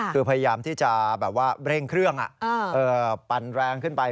คือพยายามที่จะแบบว่าเร่งเครื่องปั่นแรงขึ้นไป